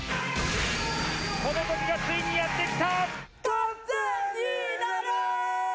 この時がついにやって来た！